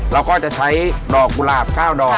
เราก็จะใช้ดอกกุหลาบ๙ดอก